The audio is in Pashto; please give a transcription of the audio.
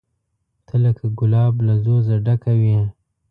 ته لکه ګلاب له ځوزه ډکه وې